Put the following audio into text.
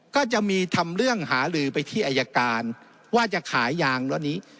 ก็จะมีทำเรื่องหาลือไปที่อายการว่าจะขายยางล้อนี้